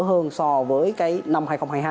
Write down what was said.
hơn so với cái năm hai nghìn hai mươi hai